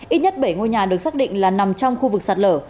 ít nhất bảy ngôi nhà được xác định là nằm trong khu vực sạt lở